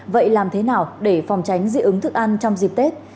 vậy làm thế nào để phòng tránh dị ứng thức ăn trong dịp tết